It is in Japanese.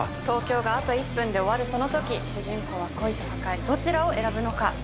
東京があと１分で終わるその時主人公は恋と破壊どちらを選ぶのか？